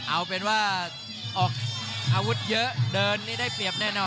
เอาเป็นว่าออกอาวุธเยอะเดินนี่ได้เปรียบแน่นอน